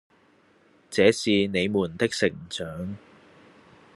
這是你們的成長